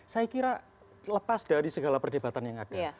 saya kira lepas dari segala perdebatan yang ada